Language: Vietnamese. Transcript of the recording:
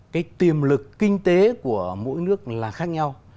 cái tiềm lực kinh tế của mỗi nước là khác nhau